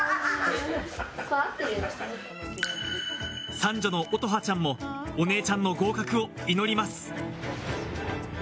三女の音羽ちゃんもお姉ちゃんの合格を祈ります。